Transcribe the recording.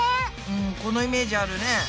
うんこのイメージあるね。